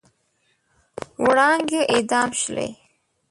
وړانګې اعدام شولې